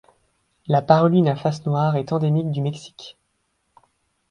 La Paruline à face noire est endémique du Mexique.